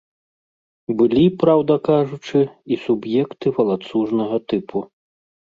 Былі, праўду кажучы, і суб'екты валацужнага тыпу.